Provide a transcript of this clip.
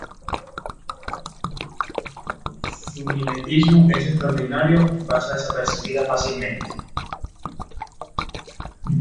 Su mimetismo es extraordinario y pasa desapercibida fácilmente.